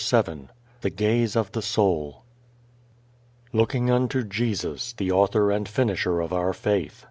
_ VII The Gaze of the Soul Looking unto Jesus the author and finisher of our faith.